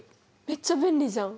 めっちゃ便利じゃん。